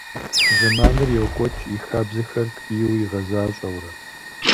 Зэманыр йокӏуэкӏ, и хабзэхэр ткӏийуэ игъэзащӏэурэ.